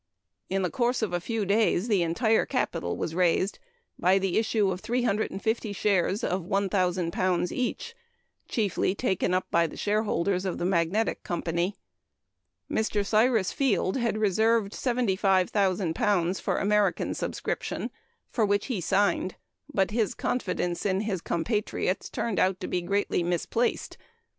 In the course of a few days the entire capital was raised, by the issue of 350 shares of £1,000 each, chiefly taken up by the shareholders of the "Magnetic" Company. Mr. Cyrus Field had reserved £75,000 for American subscription, for which he signed, but his confidence in his compatriots turned out to be greatly misplaced.